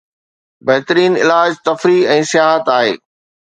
بهترين علاج تفريح ۽ سياحت آهي